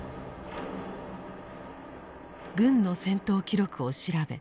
軍の戦闘記録を調べ